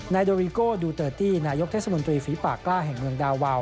โดริโก้ดูเตอร์ตี้นายกเทศมนตรีฝีปากกล้าแห่งเมืองดาวาว